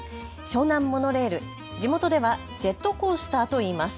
湘南モノレール、地元ではジェットコースターと言います。